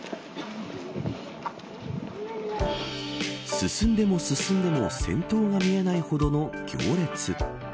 進んでも進んでも先頭が見えないほどの行列。